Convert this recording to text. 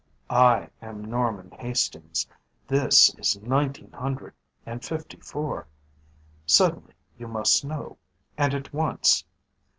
I am Norman Hastings. This is nineteen hundred and fifty four. Suddenly you must know, and at once.